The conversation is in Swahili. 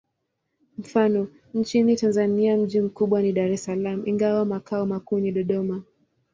Mfano: nchini Tanzania mji mkubwa ni Dar es Salaam, ingawa makao makuu ni Dodoma.